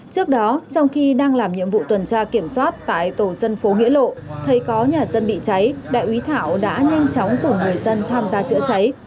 trước đó trong khi đang làm nhiệm vụ tuần tra kiểm soát tại tổ dân phố nghĩa lộ thấy có nhà dân bị cháy đại úy thảo đã nhanh chóng cùng người dân tham gia chữa cháy